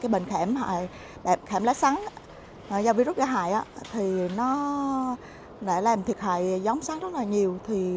bệnh khảm lá sắn do virus gây hại nó đã làm thiệt hại giống sắn rất nhiều